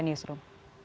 terima kasih pak